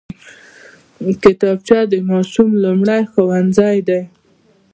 کتابچه د ماشوم لومړی ښوونځی دی